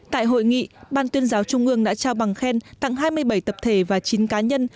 tại hội nghị ban tuyên giáo trung ương đã trao bằng khen tặng hai mươi bảy tập thể và chín cá nhân